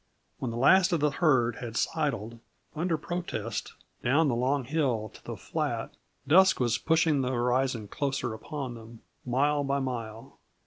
When the last of the herd had sidled, under protest, down the long hill to the flat, dusk was pushing the horizon closer upon them, mile by mile.